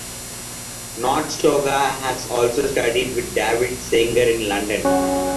Nordstoga has also studied with David Sanger in London.